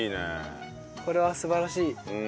これは素晴らしい！